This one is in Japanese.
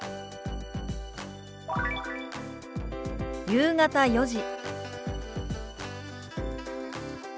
「夕方４時」。